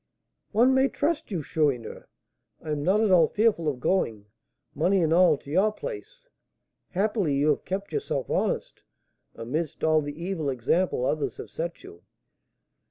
"One may trust you, Chourineur. I am not at all fearful of going, money and all, to your place; happily you have kept yourself honest, amidst all the evil example others have set you."